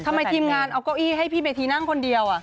ทำไมทีมงานเอาโก้ยให้พี่เมที่นั่งคนเดียว